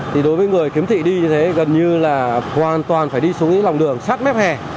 thì đối với người kiếm thị đi như thế gần như là hoàn toàn phải đi xuống những lòng đường sát mép hè